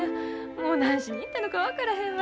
もう何しに行ったのか分からへんわ。